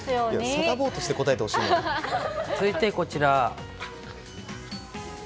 サタボーとして答えてほしい続いてこちら。